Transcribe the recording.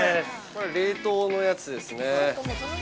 ◆これは冷凍のやつですね。